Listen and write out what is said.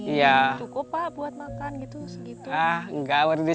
jadi lima kalau sekilo kalau daun berliju ini